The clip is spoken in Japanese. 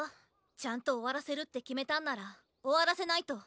ちゃんと終わらせるって決めたんなら終わらせないと。